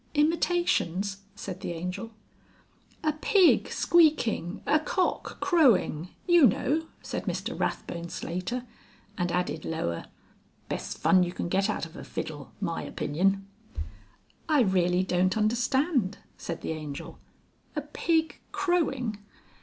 "Imitations!" said the Angel. "A pig squeaking, a cock crowing, you know," said Mr Rathbone Slater, and added lower, "Best fun you can get out of a fiddle my opinion." "I really don't understand," said the Angel. "A pig crowing!"